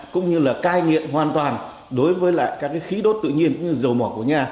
cũng như là cai nghiện hoàn toàn đối với các khí đốt tự nhiên cũng như dầu mỏ của nga